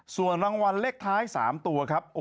ส่วนรางวัลเลขท้าย๓ตัวครับ